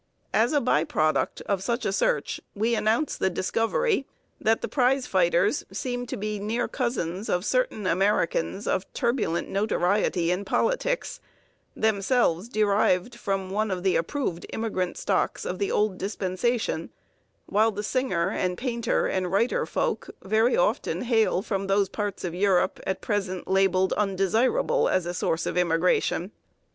As a by product of such a search we announce the discovery that the prizefighters seem to be near cousins of certain Americans of turbulent notoriety in politics, themselves derived from one of the approved immigrant stocks of the "old" dispensation; while the singer and painter and writer folk very often hail from those parts of Europe at present labeled "undesirable" as a source of immigration.